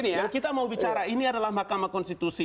yang kita mau bicara ini adalah mahkamah konstitusi